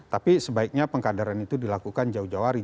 tapi sebaiknya pengkaderan itu dilakukan jauh jauh hari